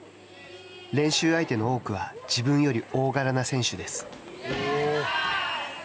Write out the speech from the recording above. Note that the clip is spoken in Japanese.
練習相手の多くは自分より大柄な選手です。